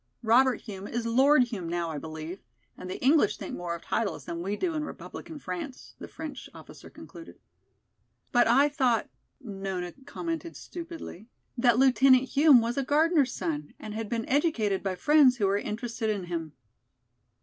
Robert Hume is Lord Hume now, I believe, and the English think more of titles than we do in Republican France," the French officer concluded. "But I thought," Nona commented stupidly, "that Lieutenant Hume was a gardener's son and had been educated by friends who were interested in him."